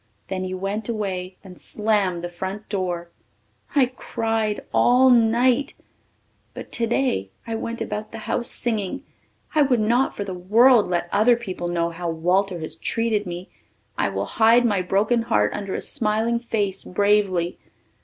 Then he went away and slammed the front door. I cried all night, but today I went about the house singing. I would not for the world let other people know how Walter has treated me. I will hide my broken heart under a smiling face bravely.